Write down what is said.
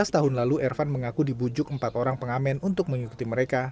tujuh belas tahun lalu ervan mengaku dibujuk empat orang pengamen untuk mengikuti mereka